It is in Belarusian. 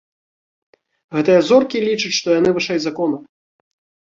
Гэтыя зоркі лічаць, што яны вышэй закона.